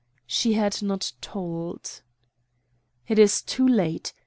She had not told. "It is too late.